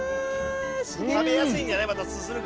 食べやすいんじゃない？